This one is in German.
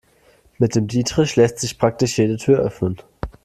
Mit dem Dietrich lässt sich praktisch jede Tür öffnen.